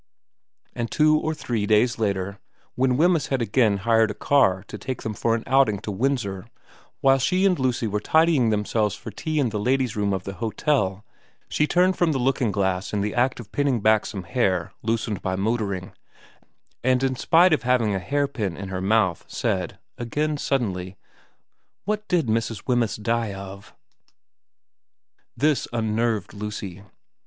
And two or three days later, when Wemyss had again hired a car to take them for an outing to Windsor, while she and Lucy were tidying themselves for tea in the vin VERA 79 ladies' room of the hotel she turned from the looking glass in the act of pinning back some hair loosened by motoring, and in spite of having a hairpin in her mouth said, again suddenly, ' What did Mrs. Wemyss die of ?' This unnerved Lucy.